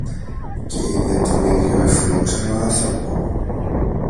και είδε τον ίδιο αφιλόξενο άνθρωπο